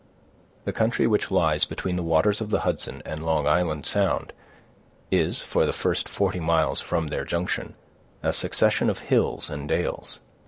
The country which lies between the waters of the Hudson and Long Island Sound, is, for the first forty miles from their junction, a succession of hills and dales.